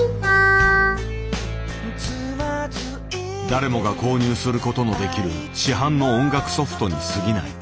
誰もが購入することのできる市販の音楽ソフトにすぎない。